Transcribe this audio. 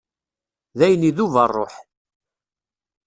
Dayen idub rruḥ.